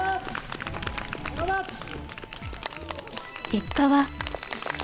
結果は。